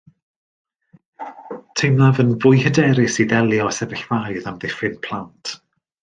Teimlaf yn fwy hyderus i ddelio â sefyllfaoedd amddiffyn plant